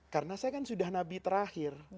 karena saya kan sudah nabi terakhir